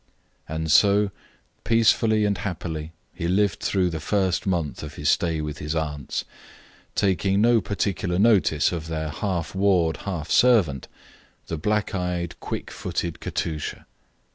And so, peacefully and happily, he lived through the first month of his stay with his aunts, taking no particular notice of their half ward, half servant, the black eyed, quick footed Katusha.